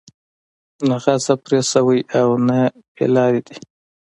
نه غضب پرې شوى او نه بې لاري دي.